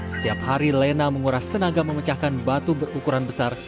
setiap hari lena menguras tenaga memecahkan batu berukuran besar